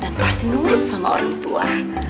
dan pasti nurut sama orang tua